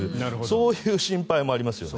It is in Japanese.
そういう心配もありますよね。